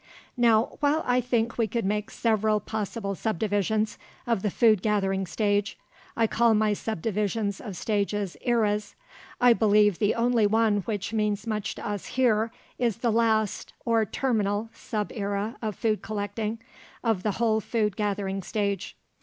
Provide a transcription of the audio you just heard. Now, while I think we could make several possible subdivisions of the food gathering stage I call my subdivisions of stages eras I believe the only one which means much to us here is the last or terminal sub era of food collecting of the whole food gathering stage.